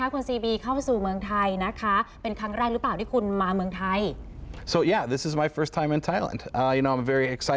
ขอต้อนรับคุณซีบีเข้าสู่เมืองไทยนะคะ